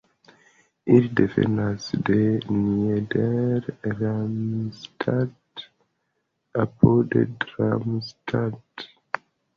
Ili devenas de Nieder-Ramstadt apud Darmstadt.